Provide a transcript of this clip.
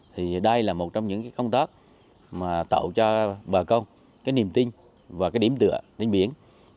thì đây là một trong những công tác mà tạo cho bà con cái niềm tin và cái điểm tựa trên biển